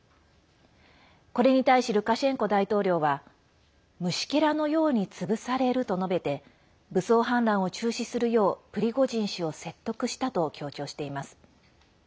これに対しルカシェンコ大統領は虫けらのように潰されると述べて武装反乱を中止するようプリゴジン氏を説得したと強調しています。